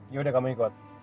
yaudah kamu ikut